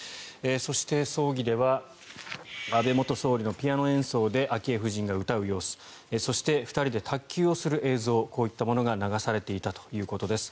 そして、葬儀では安倍元総理のピアノ演奏で昭恵夫人が歌う様子そして２人で卓球をする映像こういったものが流されていたということです。